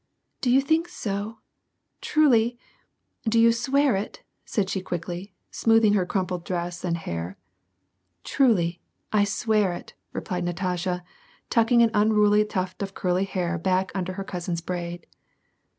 " Do you think so ? Truly ? Do you swear it ?" said she quickly, smoothing out her crumpled dress and hair. "Truly ! 1 swear it !" replied Natasha, tucking an unruly tuft of curly hair back under her cousin's braid.